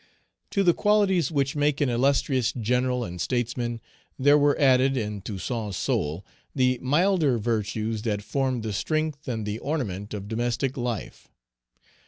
To the qualities which make an illustrious general and statesman, there were added, in Toussaint's soul, the milder virtues that form the strength and the ornament of domestic life.